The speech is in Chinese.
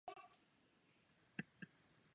拉巴斯蒂德莱韦屈埃人口变化图示